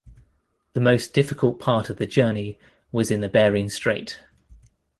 The most difficult part of the journey was in the Bering Strait.